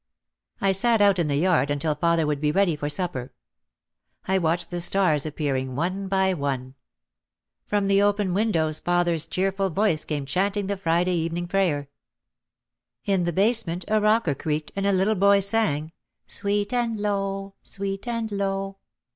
I sat out in the yard until father would be ready for supper. I watched the stars appearing one by one. From the open windows father's cheerful voice came chanting the Friday evening prayer. In the basement a rocker creaked and a little boy sang, "Sweet and low, sweet and low."